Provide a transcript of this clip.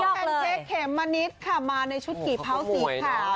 แพนเค้กเขมมะนิดค่ะมาในชุดกี่เผาสีขาว